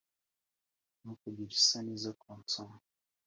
Ntukagire isoni zo kunsoma